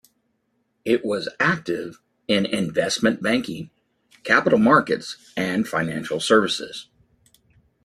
It was active in investment banking, capital markets and financial services.